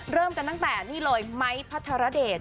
เริ่มกันตั้งแต่นี่เลยไม้พัทรเดช